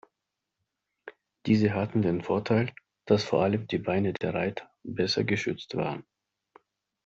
Diese hatten den Vorteil, dass vor allem die Beine der Reiter besser geschützt waren.